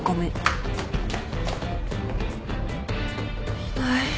いない。